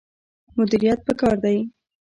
مدیریت پکار دی